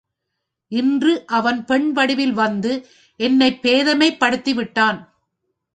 இன்று அவன் பெண்வடிவில் வந்து என்னைப் பேதைமைப்படுத்திவிட்டான்.